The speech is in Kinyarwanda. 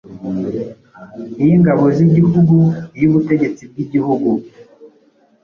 iy’Ingabo z’Igihugu, iy’Ubutegetsi bw’Igihugu,